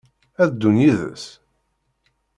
Ad d-ddun yid-s?